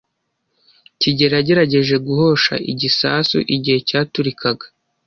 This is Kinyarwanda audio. kigeli yagerageje guhosha igisasu igihe cyaturikaga.